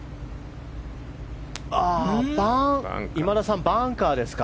今田さんバンカーですか。